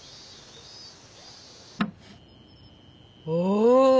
お！